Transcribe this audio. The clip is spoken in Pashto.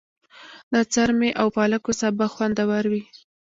د څارمي او پالکو سابه خوندور وي.